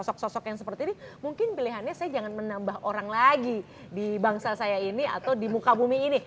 sosok sosok yang seperti ini mungkin pilihannya saya jangan menambah orang lagi di bangsa saya ini atau di muka bumi ini